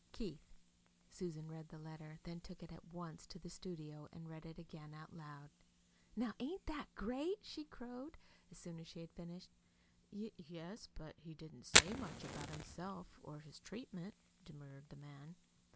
KEITH Susan read this letter, then took it at once to the studio and read it again aloud. "Now ain't that great?" she crowed, as soon as she had finished. "Y yes, but he didn't say much about himself or his treatment," demurred the man.